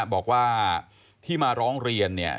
บอกว่าที่มาร้องเรียนเนี่ย